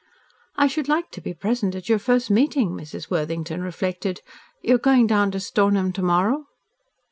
"I should like to be present at your first meeting," Mrs. Worthington reflected. "You are going down to Stornham to morrow?"